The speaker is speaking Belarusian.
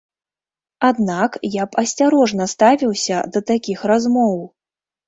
Аднак я б асцярожна ставіўся да такіх размоў.